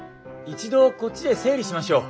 一度こっちで整理しましょう。